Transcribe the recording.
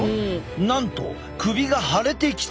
なんと首が腫れてきた！